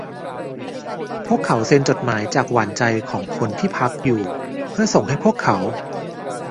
พวกเขาเซ็นจดหมายจากหวานใจของคนที่พักอยู่เพื่อส่งให้พวกเขา